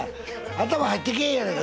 頭入ってけえへんやないか。